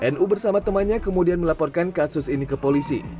nu bersama temannya kemudian melaporkan kasus ini ke polisi